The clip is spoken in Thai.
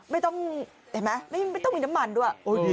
ไม่ต้องเห็นไหมไม่ต้องมีน้ำมันด้วย